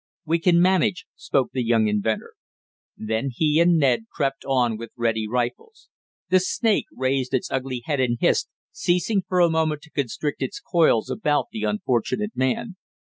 "We can manage," spoke the young inventor. Then he and Ned crept on with ready rifles. The snake raised its ugly head and hissed, ceasing for a moment to constrict its coils about the unfortunate man.